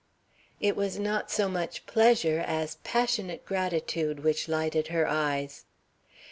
It was not so much pleasure as passionate gratitude which lighted her eyes.